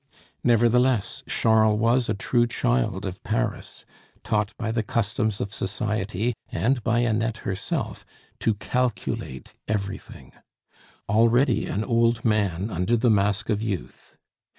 Nevertheless, Charles was a true child of Paris, taught by the customs of society and by Annette herself to calculate everything; already an old man under the mask of youth.